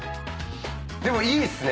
でもいいっすね。